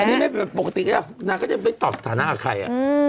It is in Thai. อันนี้ไม่ปกตินางก็จะไม่ตอบสถานะกับใคร